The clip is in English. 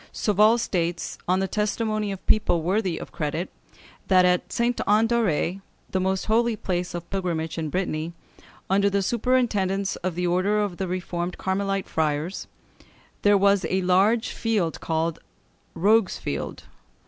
Sauval states, on the testimony of people worthy of credit, that at Sainte Anne d'Auray, the most holy place of pilgrimage in Brittany, under the superintendence of the order of reformed Carmelite friars, there was a large field called the Rogue's Field.